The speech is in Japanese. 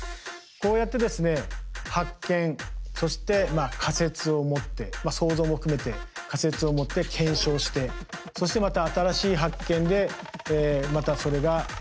こうやってですね発見そして仮説を持って想像も含めて仮説を持って検証してそしてまた新しい発見でまたそれが謎が深まっていく。